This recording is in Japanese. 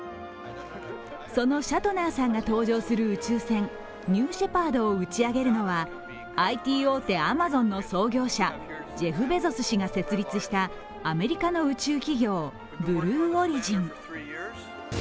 そのシャトナーさんが搭乗する宇宙船、ニューシェパードを打ち上げるのはＩＴ大手アマゾンの創業者ジェフ・ベゾス氏が設立したアメリカの宇宙企業ブルーオリジン。